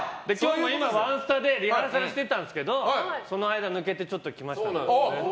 今、ワンスタでリハーサルしてたんですけどその間、抜けて来ました。